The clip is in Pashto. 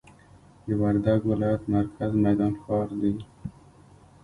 د وردګ ولایت مرکز میدان ښار دي.